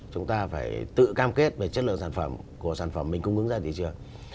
chúng ta phải tự cam kết về chất lượng sản phẩm của sản phẩm mình cung ứng ra thị trường